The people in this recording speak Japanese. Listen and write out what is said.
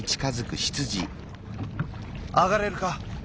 あがれるか？